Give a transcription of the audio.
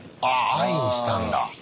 Ｉにしたんだ。